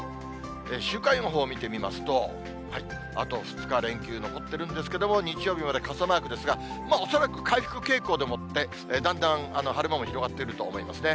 週間予報見てみますと、あと２日、連休残ってるんですけれども、日曜日まで傘マークですが、恐らく回復傾向でもって、だんだん晴れ間も広がっているとは思いますね。